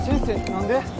何で？